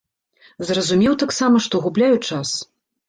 Зразумеў таксама, што губляю час.